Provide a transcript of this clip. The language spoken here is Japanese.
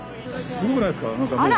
すごくないですか？